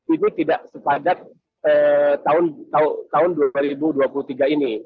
ini tidak sepadat tahun dua ribu dua puluh tiga ini